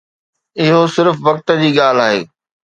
اهو صرف وقت جي ڳالهه آهي.